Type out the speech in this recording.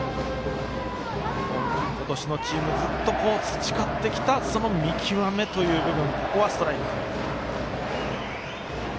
今年のチームずっと培ってきた見極めという部分。